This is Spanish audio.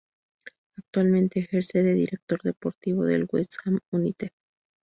Actualmente ejerce de Director Deportivo del West Ham United.